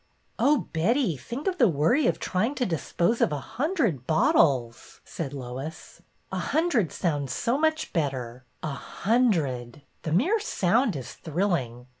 Oh, Betty, think of the worry of trying to dispose of a hundred bottles," said Lois. A hundred sounds so much better. A hun BETTY «IN A PICKLE" 73 dred! The mere sound is thrilling.